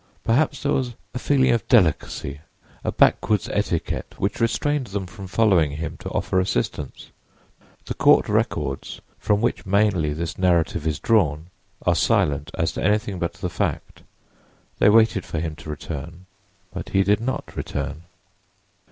Perhaps there was a feeling of delicacy—a backwoods etiquette which restrained them from following him to offer assistance; the court records, from which, mainly, this narrative is drawn, are silent as to anything but the fact. They waited for him to return, but he did not return.